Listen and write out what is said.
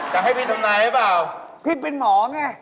จะให้พี่ทำนายหรือเปล่าพี่เป็นหมอไง